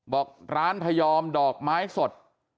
บอกร้านพยอมดอกไม้สด